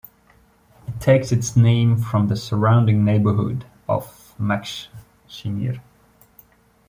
It takes its name from the surrounding neighbourhood of Maksimir.